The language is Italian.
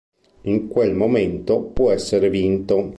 In quel momento può essere vinto.